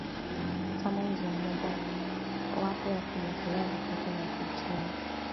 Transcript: kama njia moja wapo ya kumwekea vikwazo vya kiuchumi